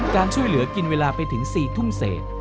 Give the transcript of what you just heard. การช่วยเหลือกินเวลาไปถึง๔ทุ่มเศษ